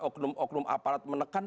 oknum oknum aparat menekan